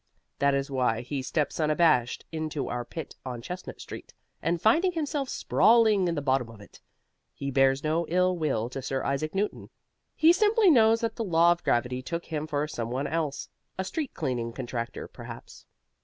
That is why he steps unabashed into our pit on Chestnut Street; and finding himself sprawling in the bottom of it, he bears no ill will to Sir Isaac Newton. He simply knows that the law of gravity took him for some one else a street cleaning contractor, perhaps.